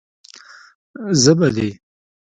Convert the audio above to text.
زه به دې.